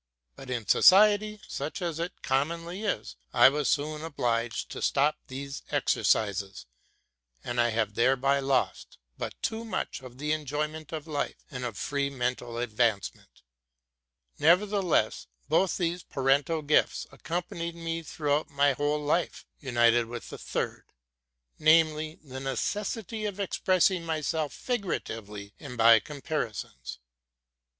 But in society, such as it commoiuly is, I was soon obliged to stop these exercises ; and { have thereby lost but too much of the enjoyment of life and of free mental advancement. Nevertheless, both these paren tal gifts accompanied me throughout my whole life, united with a third: namely, the necessity of expressing myself figuratively and by comparisons.